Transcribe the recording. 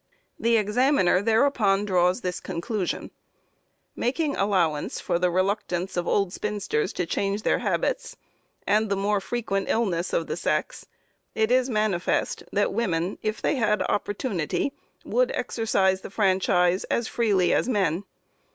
The Examiner thereupon draws this conclusion: 'Making allowance for the reluctance of old spinsters to change their habits, and the more frequent illness of the sex, it is manifest that women, if they had opportunity, would exercise the franchise as freely as men.